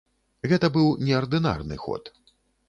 Гэта быў неардынарны ход.